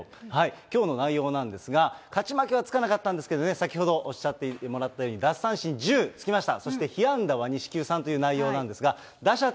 きょうの内容なんですが、勝ち負けはつかなかったんですけど、先ほどおっしゃってもらったように、奪三振１０、つきました。